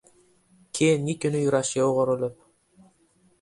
Keyingi kuni Yurashga oʻgirilib: